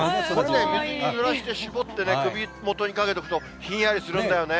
水にぬらして絞って首元にかけるとひんやりするんだよね。